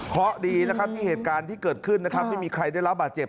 เพราะดีที่เกิดขึ้นนะครับไม่มีใครได้รับบาดเจ็บ